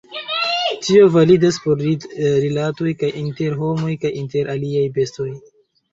Tio validas por rilatoj kaj inter homoj kaj inter aliaj bestoj.